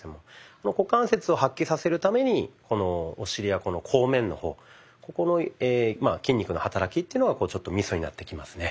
この股関節を発揮させるためにこのお尻や後面の方ここの筋肉の働きっていうのがちょっとミソになってきますね。